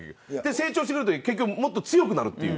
成長して結局もっと強くなるという。